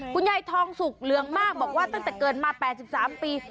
คุณยายทองสุกเหลืองมากบอกว่าตั้งแต่เกิดมา๘๓ปี